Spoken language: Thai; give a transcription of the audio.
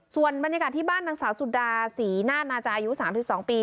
ส่วนบรรยากาศที่บ้านนางสาวสุดาศรีนาธนาจาอายุ๓๒ปี